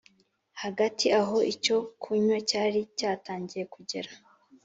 hagati aho icyokunywa cyari cyatangiye kugera